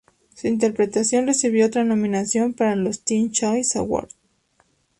Su interpretación recibió otra nominación para los Teen Choice Award.